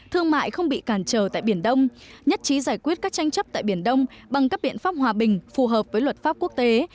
thương mại không bị cản trở tại biển đông nhất trí giải quyết các tranh chấp tại biển đông bằng các biện pháp hòa bình phù hợp với luật pháp quốc tế